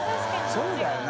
そうだよな。